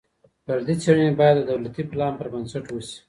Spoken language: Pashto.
فردي څېړني باید د دولتي پلان پر بنسټ وسي.